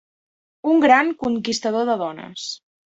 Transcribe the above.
Un gran conquistador de dones.